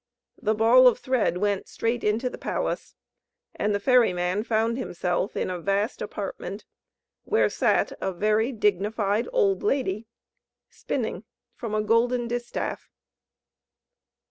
The ball of thread went straight into the palace, and the ferry man found himself in a vast apartment, where sat a very dignified old lady, spinning from a golden distaff.